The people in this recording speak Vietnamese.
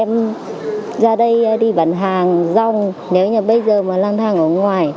em ra đây đi bán hàng rong nếu như bây giờ mà lang thang ở ngoài